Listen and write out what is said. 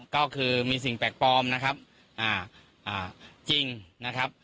ก็คือมีสิ่งแปลกปลอมนะครับจริงนะครับ